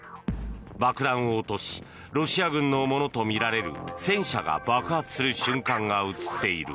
爆弾を落としロシア軍のものとみられる戦車が爆発する瞬間が映っている。